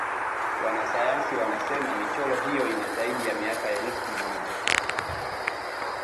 wanasayansi wanasena michoro hiyo ina zaidi ya miaka elfu moja